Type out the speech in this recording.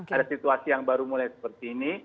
ada situasi yang baru mulai seperti ini